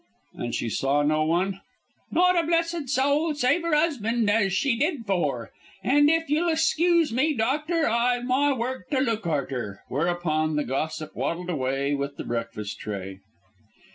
"And she saw no one?" "Not a blessed soul save 'er 'usband as she did for. And if you'll excuse me, doctor, I've my work to look arter," whereupon the gossip waddled away with the breakfast tray.